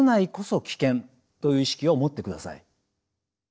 という意識を持ってください。